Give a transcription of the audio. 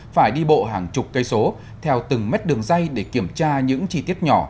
phải đi bộ hàng chục cây số theo từng mét đường dây để kiểm tra những chi tiết nhỏ